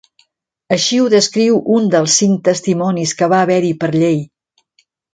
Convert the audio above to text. Així ho descriu un dels cinc testimonis que va haver-hi per llei.